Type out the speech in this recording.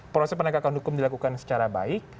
proses penegakan hukum dilakukan secara baik